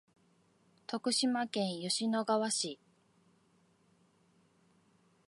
徳島県吉野川市